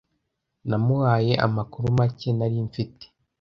Namuhaye amakuru make nari mfite.